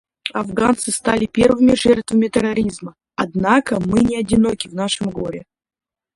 Афганцы стали первыми жертвами терроризма, однако мы не одиноки в нашем горе.